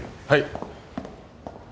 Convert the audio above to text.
はい。